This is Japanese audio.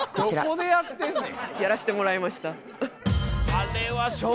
どこでやってんねん。